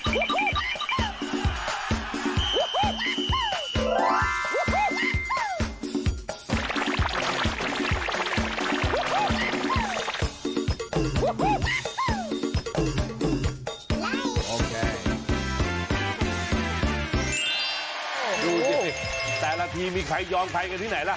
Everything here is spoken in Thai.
ดูสิแต่ละทีมีใครยอมใครกันที่ไหนล่ะ